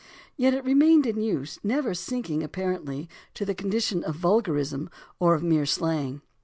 Yet still it remained in use, never sinking apparently to the condition of a vulgar ism or of mere slang.